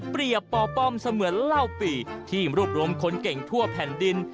ปป้อมเสมือนเหล้าปีที่รวบรวมคนเก่งทั่วแผ่นดิน